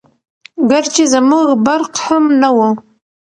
ګرچې زموږ برق هم نه وو🤗